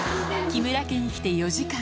木村家に来て４時間。